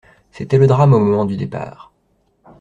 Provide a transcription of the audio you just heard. C'était le drame au moment du départ.